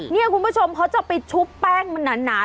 นี่คุณผู้ชมเขาจะไปชุบแป้งมันหนา